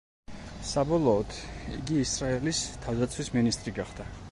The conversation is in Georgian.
საბოლოოდ, იგი ისრაელის თავდაცვის მინისტრი გახდა.